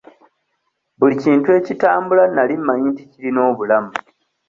Buli kintu ekitambula nali mmanyi nti kirina obulamu.